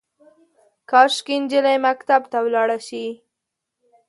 کاشکي، نجلۍ مکتب ته ولاړه شي